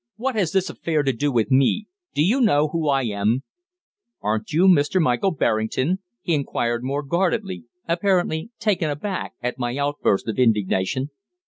"What has this affair to do with me? Do you know who I am?" "Aren't you Mr. Michael Berrington?" he inquired more guardedly, apparently taken aback at my outburst of indignation.